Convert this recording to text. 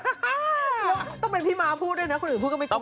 แล้วต้องเป็นพี่มาพูดด้วยนะอีกคนพูดก็ไม่กุกกิ๊ก